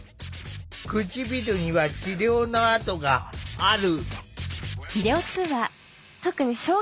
唇には治療の痕がある。